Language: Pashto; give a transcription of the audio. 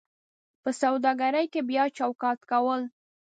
په سوداګرۍ کې بیا چوکاټ کول: